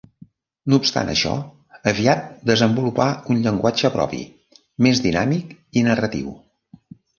No obstant això, aviat desenvolupà un llenguatge propi, més dinàmic i narratiu.